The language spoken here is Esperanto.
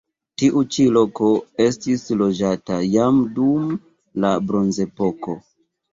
Tiu ĉi loko estis loĝata jam dum la bronzepoko.